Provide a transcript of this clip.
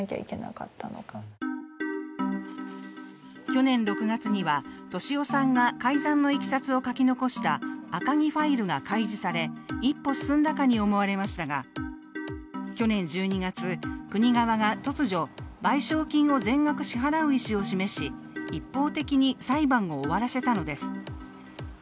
去年６月には、俊夫さんが改ざんのいきさつを書き起こした赤木ファイルが開示され一歩進んだかに思われましたが去年１２月、国側が突如、賠償金を全額支払う意思を示し、一方的に裁判を終わらせたのです。